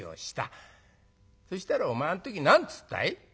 そしたらお前あん時何つったい？